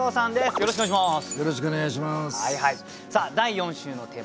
よろしくお願いします。